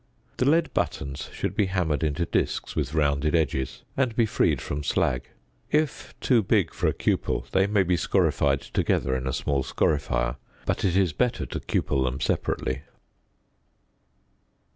The lead buttons should be hammered into discs with rounded edges, and be freed from slag; if too big for a cupel they may be scorified together in a small scorifier, but it is better to cupel them separately.